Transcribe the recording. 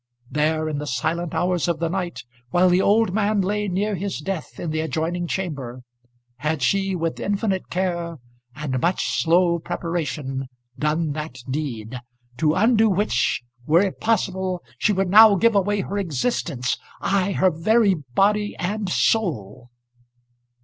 There in the silent hours of the night, while the old man lay near his death in the adjoining chamber, had she with infinite care and much slow preparation done that deed, to undo which, were it possible, she would now give away her existence, ay, her very body and soul.